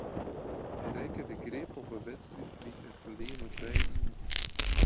Hy rekke de grip op de wedstryd kwyt en ferlear mei trije ien.